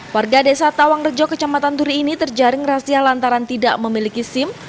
warga desa tawang rejo kecamatan turi ini terjaring razia lantaran tidak memiliki sim